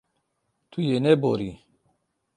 Tu yê neborî.